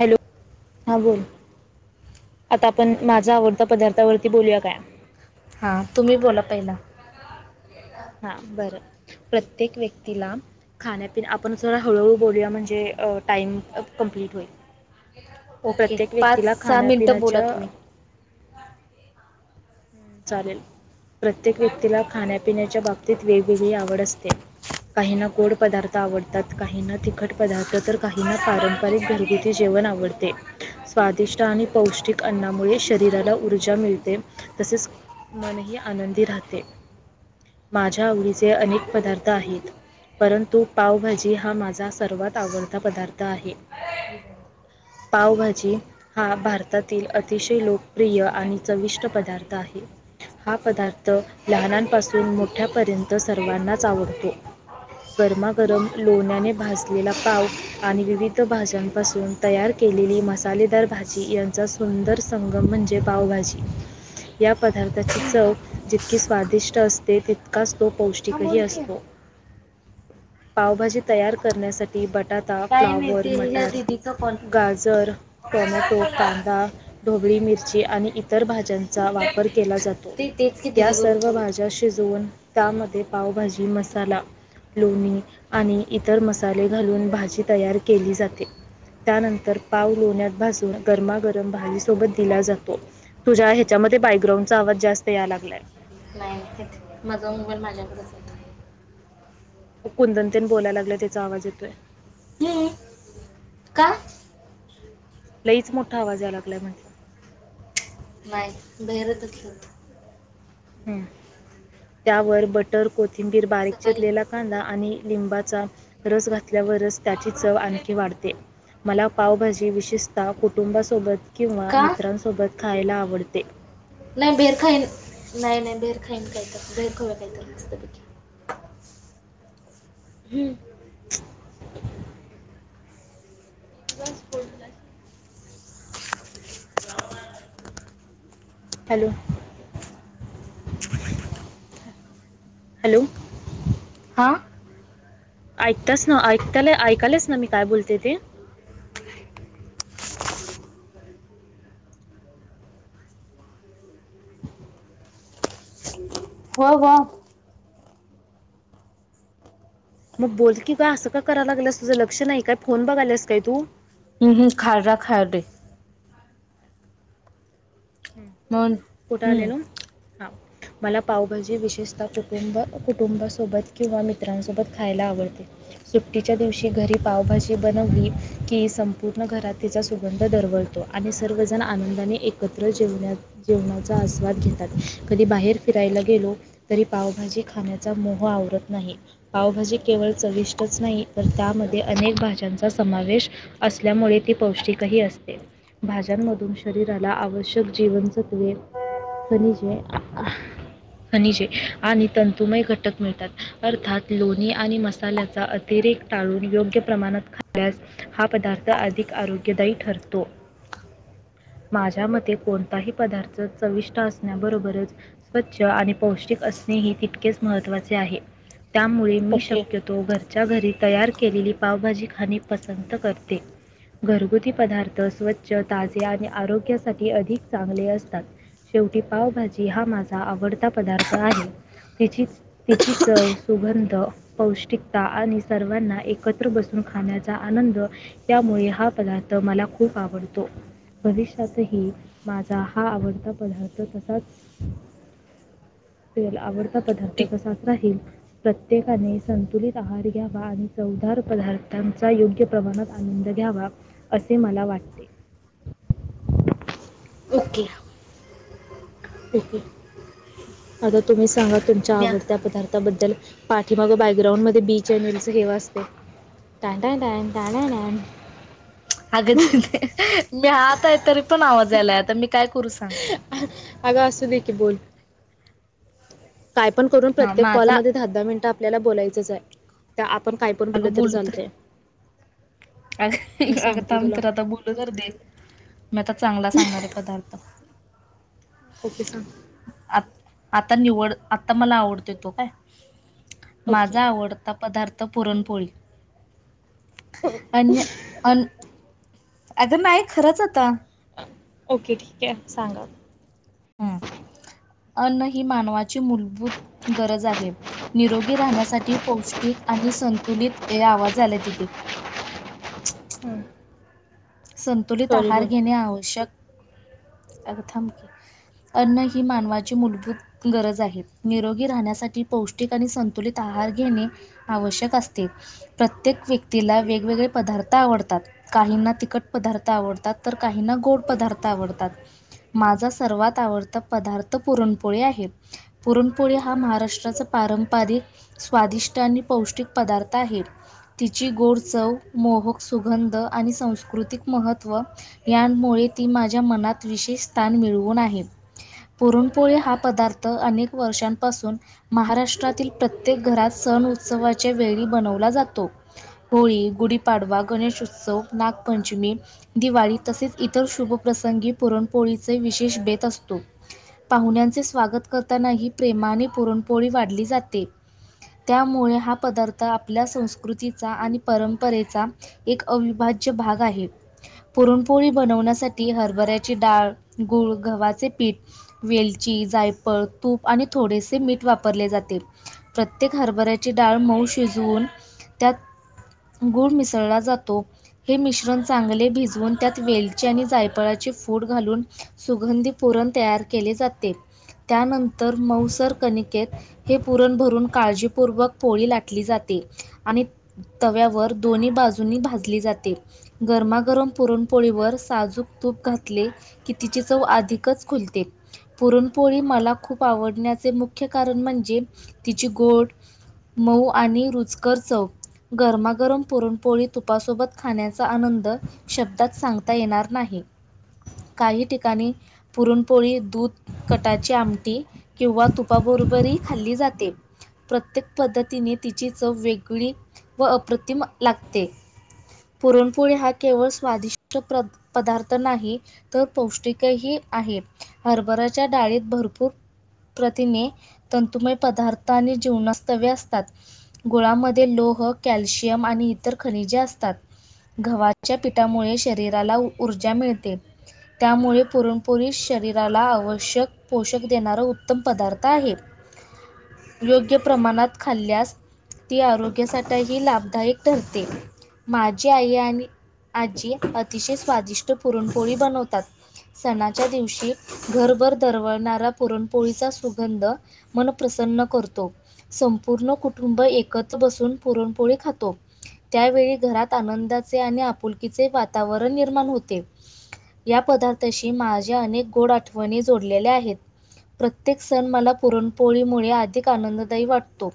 Hello हां बोल. आता आपण माझा आवडत्या पदार्थावरती बोलूया काय. हां तुम्ही बोला पहिला. हा बरं प्रत्येक व्यक्तीला खाण्यापि आपण ज हळूहळू बोलूया म्हणजे टाइम कंप्लीट होईल. ओके प्रत्येक पाच व्यक्तीला सहा खाण्या मिनटं बोला पिण्याच्या तुम्ही चालेल प्रत्येक व्यक्तीला खाण्या पिण्याच्या बाबतीत वेगवेगळी आवड असते. काहीना गोड पदार्थ आवडतात काहीना तिखट पदार्थ तर काही ना पारम बारीक घरगुती जेवण आवडते. स्वादिष्ट आणि पौष्टिक अन्नामुळे शरीराला ऊर्जा मिळते. तसेच मनही आनंदी राहते. माझ्या आवडीचे अनेक पदार्थ आहेत. परंतु पावभाजी हा माझा सर्वात आवडता पदार्थ आहे. पावभाजी हा भारतातील अतिशय लोकप्रिय आणि चविष्ट चविष्ट पदार्थ आहे. हा पदार्थ लहानांपासून मोठ्यापर्यंत सर्वांनाच आवडतो. गरमागरम लोण्याने भाजलेला पाव आणि विविध भाज्यांपासून तयार केलेली मसालेदार भाजी यांचा सुंदर संगम म्हणजे पावभाजी. या पदार्थाची चव जितकी स्वादिष्ट असते तितकाच तो हा पौष्टिकही बोलते असतो. पावभाजी तयार करण्यासाठी बटाटा काय नाही फ्लावर ते ह्या मटार दीदीचा कॉल गाजर टोमॅटो कांदा ढोबळी मिरची आणि इतर भाज्यांचा वापर केला जातो ते तेच की या दीदी बरोबर सर्व बोलत भाज्या शिजवून त्यामध्ये पावभाजी होतो मसाला लोणी आणि इतर मसाले घालून भाजी तयार केली जाते. त्यानंतर पाव लोण्यात भाजून गरमागरम भाजीसोबत दिला जातो. तुझ्या च्यामध्ये बायकग्रांडचा आवाज जास्त याय लागलाय. [unintelligible] माझा मोबाईल माझ्याकडेच आहे. कुंदतेन बोलायला लागले त्याचा आवाज येतोय. हम्म. का लईच मोठा आवाज याय लागलाय म्हणाले नाही बहेर [inaudible] त्यावर बटर कोथिंबीर बारीक सकाळी चिरलेला कांदा आणि लिंबाचा रस घातल्यावरच त्याची चव आणखी वाढते. मला पावभाजी विशेषतः कुटुंबासोबत किंवा का मित्रांसोबत खायला आवडते. नाही बेहेर खाईन नाही नाही बेहेर खाईन काहीतं बेर खाऊ काहीत मस्तपैकी. हम्म हॅलो हॅलो हा ऐकताच ना ऐकता ऐकालेच ना मी काय बोलते ते? हो हो मग बोल की का असं काय करायला लागेलस तुझं लक्ष नाही काय फोन बघालास काय तू. ह् हम खाय रा खाय दे. म्हणून कुठ आलेलो हा मला पावभाजी विशेषता कुटुंब कुटुंबासोबत किंवा मित्रासोबत खायला आवडते. सुट्टीच्या दिवशी घरी पावभाजी बनवली कि संपूर्ण घरात तिचा सुगंध दरवळ आणि सर्वजण आनंदाने एक त्र जेवण्यात जेवणाचा आस्वाद घेतात कधी बाहेर फिरायला गेलो. तरी पावभाजी खाण्याचा मोह आवरत नाही. पावभाजी केवळ चविष्टच नाइ तर त्यामध्ये अनेक भाज्यांचा समावेश असल्यामुळे ती पौष्टिकही असते भाज्यांमधून शरीराला आवश्य जग जीवन सत्वे, खनिजे खनिजे आणि तंतुमय घटक मिळतात, अर्थात लोणी आणि मसाल्याचा आ अतिरेक टाळून योग्य प्रमाणात खाल्यास हा पदार्थ अधिक आरोग्यदायी ठरतो, माझ्या मते कोणताही पदार्थ चविष्ट असण्याबरोबरच स्वच्छ आणि पौष्टिक असणे ही तितकेच महत्त्वाचे आहे. त्यामुळे मी ओके शक्यतो घर च्या घरी तयार केलेली पावभाजी खाणे पसंत करते. घरगुती पदार्थ स्वच्छ, ताजे आणि आरोग्यासाठी अधिक चांगले असतात. शेवटी पावभाजी हा माझा आवडता पदार्थ आहे तिचीच तिची चव, सुगंध पौष्टिकता आणि सर्वांना एकत्र बसून खाण्याचा आनंद त्यामुळे हा पदार्थ मला खूप आवडतो, भविष्यातही माझा हा आवडता पदार्थ तसाच तेल आवडता पदार्थ ठीक तसाच राहील. प्रत्येकाने संतुलित आहार घ्यावा आणि चवदार पदार्थांचा योग्य प्रवाणात आनंद घ्यावा असे मला वाटते. ओके. ओके आता तुम्ही सांगा तुमच्या म्या आवडत्या पदा बद्दल पाठीमागं बॅकग्राउंड मध्ये बी चॅनेलच हे वाजते [inaudible] अगं मी आतय तरी पण आवाज यायलाय आता मी काय करू सांग. अगं असू दे की बोल काय पण करून हा प्रत्येक माझा कॉलमध्ये दहा दहा मिनट आपल्याला बोलायचं चाय त्या आपण काय पण बोलं अगं तरी बोलू तर चालतय अगं थांब तर आता बोलू तर दे मी आता चांगला सांगणाराय पदार्थ ओके सांग आत आता निवड आता मला आवडतोय काय ओके माझा आवडता पदार्थ पुरणपोळी अन्य अन अगं नाइ खरंच आता. ओके ठीके सांगा. हं. अन्न ही मानवाची मूलभूत गरज आहे. निरोगी राहण्यासाठी पौष्टिक आणि संतुलित हे आवाज यायलाय तिथे हं. संतुलित आहार घेणे आवश्यक अगं थाम की. अन्न ही मानवाची मूलभूत गरज आहेत, निरोगी राहण्यासाठी पौष्टिक आणि संतुलित आहार घेणे. आवश्यक असते. प्रत्येक व्यक्तीला वेगवेगळे पदार्थ आवडतात, काहींना तिकट पदार्थ आवडतात, तर काहीना गोड पदार्थ आवडतात. माझा सर्वात आवडता पदार्थ पुरणपोळी आहे पुरण पोळी हा महाराष्ट्राचा पारंपरिक स्वादिष्ट आणि पौष्टिक पदार्थ आहे. तिची गोड चव, मोहक सुगंध आणि संस्कृतिक महत्व यानमुळे ती माझ्या मनात विशेष स्थान मिळवून आहे. पुरणपोळी हा पदार्थ अनेक वर्षांपासून महाराष्ट्रातील प्रत्येक घरात सण उत्सवाच्या वेळी बनवला जातो. होळी, गुढीपाडवा, गणेश उत्सव, नागपंचमी दिवाळी तसेच इतर शुभप्रसंगी पुरणपोळीचे विशेष बेत असतो. पाहुण्यांचे स्वागत करतानाही प्रेमाने पुरणपोळी वाढली जाते. त्यामुळे हा पदार्थ आपल्या संस्कृतीचा आणि परंपरेचा एक अविभाज्य भाग आहे. पुरणपोळी बनवण्यासाठी हरभऱ्याची डाळ, गूळ, गव्हाचे पीठ वेलची जायपळ तूप आणि थोडेसे मीठ वापरले जाते. प्रत्येक हरभऱ्याची डाळ मऊ शिजवून त्यात गुळ मिसळला जातो हे मिश्रण चांगले भिजवून त्यात वेलची आणि जायफळाची फूड घालून सुगंधी पुरण तयार केले जाते त्यानंतर मौसर कणिकेत हे पुरण भरून काळजीपूर्वक पोळी लाटली जाते आणि तव्यावर दोन्ही बाजूनी भाजली जाते गरमागरम पुरणपोळीवर साजूक तूप घातले की तिची चव अधिकच खुलते. पुरणपोळी मला खूप आवडण्याचे मुख्य कारण म्हणजे तिची गोड मऊ आणि रुचकर चव गरमागरम पुरण पोळी तुपासोबत खाण्याचा आनंद शब्दात सांगता येणार नाही काही ठिकाणी पुरणपोळी दूध कटाची आमटी किंवा तुपाबरोबरही खाल्ली जाते. प्रत्येक पद्धतीने तिची चव वेगळी व अप्रतिम लागते. पुरणपोळी हा केवळ स्वादिष्ट प्र पदार्थ नाही तर पौष्टिकही आहे. हरभराच्या डाळीत भरपूर प्रतीने तंतुमय पदार्थ आणि जीवनास्तव्य असतात. गुळामध्ये लोह कॅल्शियम आणि इतर खनिजे असतात गव्हाच्या पी त्यामुळे शरीराला ऊर्जा मिळते. त्यामुळे पुरणपोरी शरीराला आवश्यक पोषक देणारा उत्तम पदार्थ आहे योग्य प्रमाणात खाल्ल्यास ती आरोग्यासाठी ही लाभदायक ठरते माझी आई आणि आजी अतिशय स्वादिष्ट पुरणपोळी बनवतात. सणाच्या दिवशी घरभर दरवळणारा पुरणपोळीचा सुगंध मन प्रसन्न करतो. संपूर्ण कुटुंब एकत्र बसून पुरणपोळी खातो. त्यावेळी घरात आनंदाचे आणि आपुलकीचे वातावरण निर्माण होते. या पदार्थाशी माझ्या अनेक गोड आठवणी जोडलेल्या आहेत. प्रत्येक सण मला पुरणपोळीमुळे अधिक आनंददायी वाटतो.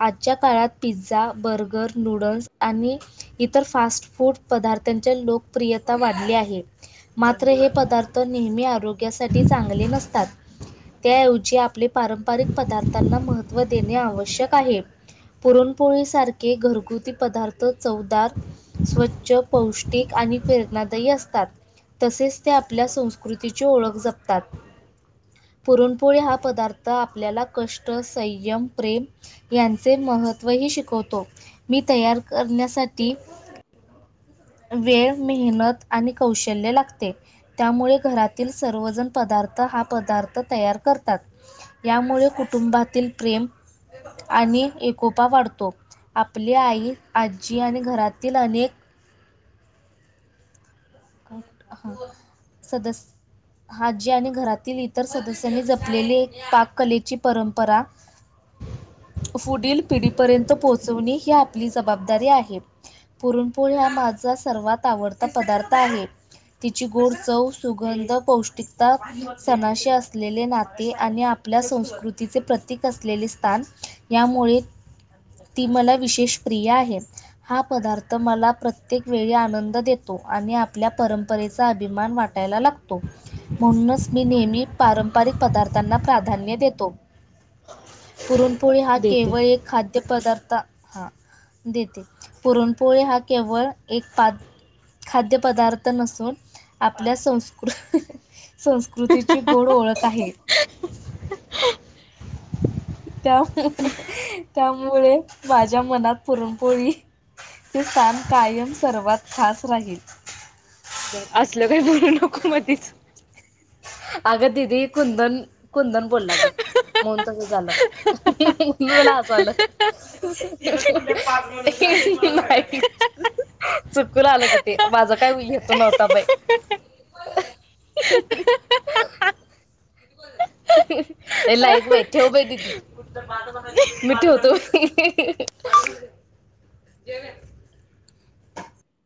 आजच्या काळात पिझ्झा, बर्गर, नूडल्स आणि इतर फास्ट फूड पदार्थांच्या लोकप्रियता वाढली आहे. मात्र हे पदार्थ नेहमी आरोग्यासाठी चांगले नसतात. त्याऐवजी आपले पारंपरिक पदार्थांना महत्त्व देणे आवश्यक आहे. पुरणपोळीसारखे घरगुती पदार्थ चौदार स्व च पौष्टिक आणि प्रेरणादायी असतात. तसेच ते आपल्या संस्कृतीची ओळख जपतात. पुरणपोळी हा पदार्थ आपल्याला कष्ट, संयम, प्रेम यांचे महत्त्व ही शिकवतो मी तयार करण्यासाठी वेळ, मेहनत आणि कौशल्य लागते. त्यामुळे घरातील सर्वजण पदार्थ हा पदार्थ तयार करतात. यामुळे कुटुंबातील प्रेम आणि एकोपा वाढतो आपली आई आजी आणि घरातील अनेक का हा सदस हाजी आणि घरातील इतर सदस्यांनी जपलेली एक पाक कलेची परंपरा [inaudible] फुदिल पिढीपर्यंत पोहोचवणी ही आपली जबाबदारी आहे. पुरणपोळ हा माझा सर्वात आवडता पदार्थ आहे. तिची गोड चव सुगंध पौष्टिकता सणाशी असलेले नाते आणि आपल्या संस्कृतीचे प्रतीक असलेले स्थान यामुळे ती मला विशेष प्रिय आहे. हा पदार्थ मला प्रत्येक वेळी आनंद देतो आणि आप आपल्या परंपरेचा अभिमान वाटायला लागतो म्हणूनच मी नेहमी पारंपरिक पदार्थांना प्राधान्य देतो पुरून पुळी हा देते केवळ एक खाद्यपदार्थ हा देते पुरणपोळी हा केवळ एक पा खाद्य पदार्थ नसून आपल्या संस्कृ संस्कृ कृतीची गोड ओळत आहे. त्या त्यामुळे माझ्या मनात पुरणपोळी ते स्थान कायम सर्वात खास राहील. बरं असलं काही बोलू नको मधीच अगं दीदी कुंदन कुंदन बोलला ग मून तस झालं [unintelligible] नाही चुकून आलं ग ते माझं काय हेतू नव्हता बाई [inaudible] [inaudible] ठेव बाई दीदी. मी ठेवतो.